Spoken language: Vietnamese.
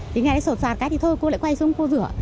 thì nghe nó sột xoạt cái thì thôi cô lại quay xuống cô rửa